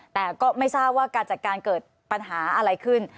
แต่ก็ไม่ทราบว่าการจัดการเกิดปัญหาอะไรขึ้น